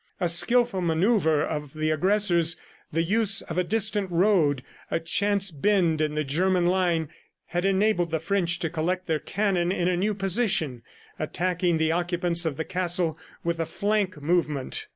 A skillful manoeuver of the aggressors, the use of a distant road, a chance bend in the German line had enabled the French to collect their cannon in a new position, attacking the occupants of the castle with a flank movement.